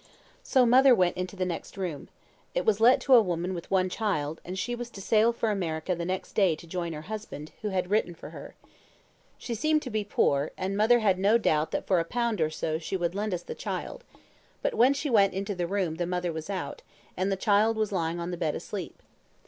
"So mother went into the next room. It was let to a woman with one child, and she was to sail for America the next day to join her husband, who had written for her. She seemed to be poor, and mother had no doubt that for a pound or so she would lend us the child; but when she went into the room the mother was out, and the child was lying on the bed asleep.